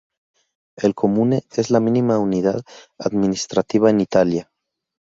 El "Comune" es la mínima unidad administrativa en Italia.